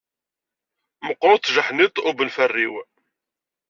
Meqqeṛ-t tjeḥniḍ ubenferriw.